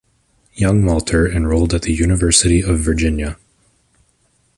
Young Walter enrolled at the University of Virginia.